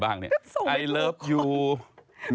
ที่สนชนะสงครามเปิดเพิ่ม